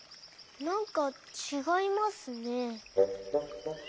なんかちがいますね。